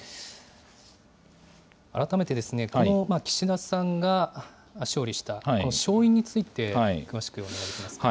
改めて、岸田さんが勝利した、勝因について詳しくお願いできますか。